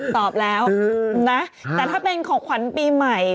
ตอบแล้วนะแต่ถ้าเป็นของขวัญปีใหม่